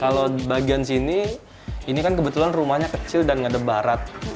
kalau bagian sini ini kan kebetulan rumahnya kecil dan ngadep barat